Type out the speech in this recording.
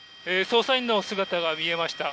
捜査員の姿が見えました。